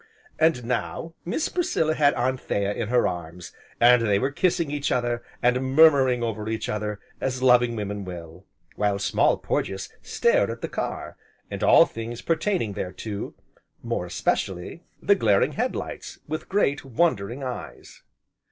And now Miss Priscilla had Anthea in her arms, and they were kissing each other, and murmuring over each other, as loving women will, while Small Porges stared at the car, and all things pertaining thereto, more especially, the glaring head lights, with great wondering eyes.